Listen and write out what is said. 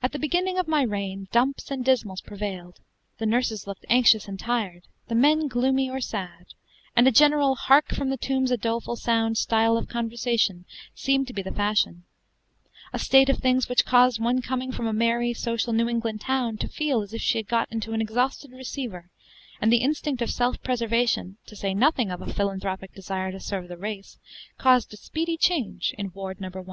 At the beginning of my reign, dumps and dismals prevailed; the nurses looked anxious and tired, the men gloomy or sad; and a general "Hark from the tombs a doleful sound" style of conversation seemed to be the fashion: a state of things which caused one coming from a merry, social New England town, to feel as if she had got into an exhausted receiver; and the instinct of self preservation, to say nothing of a philanthropic desire to serve the race, caused a speedy change in Ward No. 1.